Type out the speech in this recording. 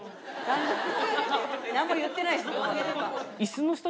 何も言ってない。